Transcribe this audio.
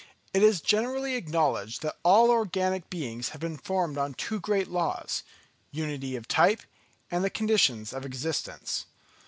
It is generally acknowledged that all organic beings have been formed on two great laws—Unity of Type, and the Conditions of Existence.